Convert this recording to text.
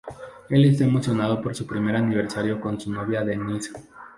Él está emocionado por su primer aniversario con su novia Denise.